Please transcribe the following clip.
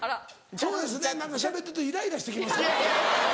そうですねしゃべってるとイライラしてきますから。